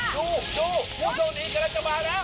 ดูดูดูตรงนี้เจ้าหน้าจะมาแล้ว